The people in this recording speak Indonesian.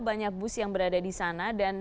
banyak bus yang berada di sana dan